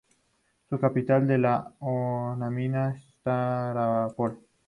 Su capital es la homónima Stávropol.